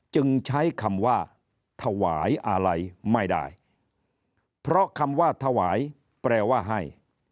จึงใช้คำว่าถวายอะไรไม่ได้เพราะคำว่าถวายแปลว่าให้